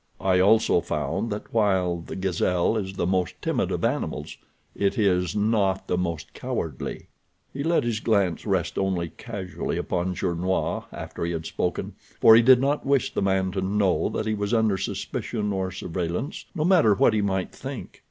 I also found that while the gazelle is the most timid of animals, it is not the most cowardly." He let his glance rest only casually upon Gernois after he had spoken, for he did not wish the man to know that he was under suspicion, or surveillance, no matter what he might think.